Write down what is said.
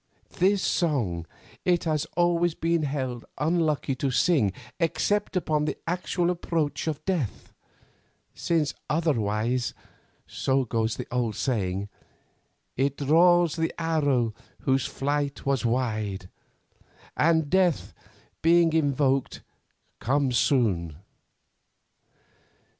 This song it has always been held unlucky to sing except upon the actual approach of death, since otherwise, so goes the old saying, 'it draws the arrow whose flight was wide,' and Death, being invoked, comes soon.